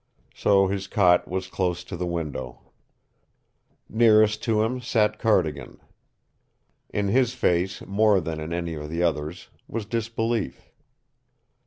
So his cot was close to the window. Nearest to him sat Cardigan. In his face, more than in any of the others, was disbelief.